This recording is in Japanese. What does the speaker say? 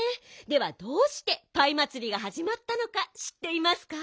ではどうしてパイまつりがはじまったのかしっていますか？